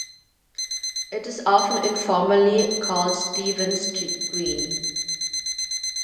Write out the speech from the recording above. It is often informally called Stephen's Green.